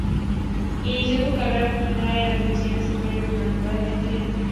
Inició su carrera profesional en las divisiones inferiores de Universidad Católica.